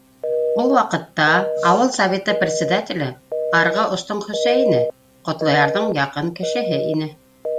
Ул ваҡытта ауыл Советы председателе - арғы остоң Хөсәйене, Ҡотлоярҙың яҡын кешеһе ине.